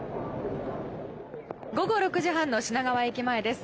午後６時半の品川駅前です。